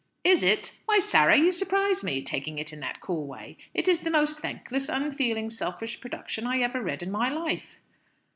"Is it? Why, Sarah, you surprise me, taking it in that cool way. It is the most thankless, unfeeling, selfish production I ever read in my life."